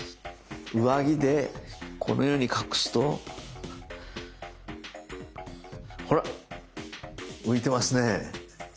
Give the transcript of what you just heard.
上着でこのように隠すとほら浮いてますね。